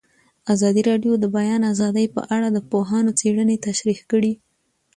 ازادي راډیو د د بیان آزادي په اړه د پوهانو څېړنې تشریح کړې.